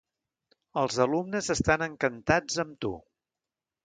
Els alumnes estan encantats amb tu!